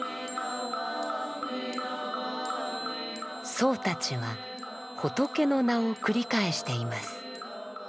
僧たちは仏の名を繰り返しています。